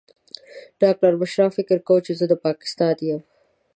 ډاکټره بشرا فکر کاوه زه د پاکستان یم.